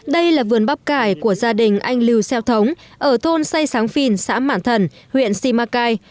đây là vườn bắp cải của gia đình anh lưu xeo thống ở thôn say sáng phìn xã mảng thần huyện simacai